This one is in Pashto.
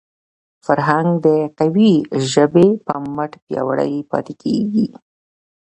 فرهنګ د قوي ژبي په مټ پیاوړی پاتې کېږي.